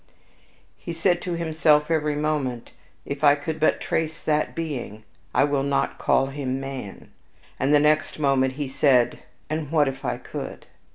He said to himself every moment, "If I could but trace that being, I will not call him man," and the next moment he said, "and what if I could?"